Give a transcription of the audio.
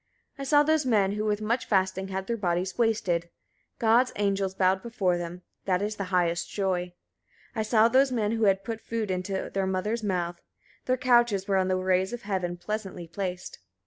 71. I saw those men who with much fasting had their bodies wasted: God's angels bowed before them: that is the highest joy. 72. I saw those men who had put food into their mothers' mouth: their couches were on the rays of heaven pleasantly placed.